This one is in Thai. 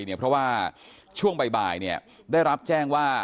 เพราะว่าช่วงบ่ายได้รับแจ้งว่า